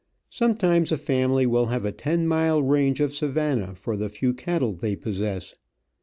Sometimes a family will have a ten mile range of savanna for the few cattle they possess.